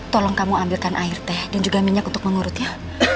tolong kamu ambilkan air teh dan juga minyak untuk mengurutnya